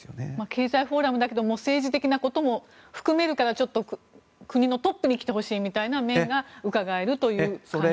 経済フォーラムだけれども政治的なことも含めるからちょっと国のトップに来てほしいみたいな面がうかがえるという感じ。